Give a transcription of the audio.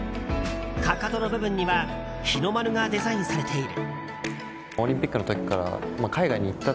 かかとの部分には日の丸がデザインされている。